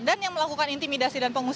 dan yang melakukan intimidasi dan pengumuman